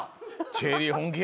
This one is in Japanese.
チェリー本気や。